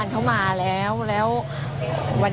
ไปแจ้งตำรวจ